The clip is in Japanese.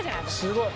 すごい。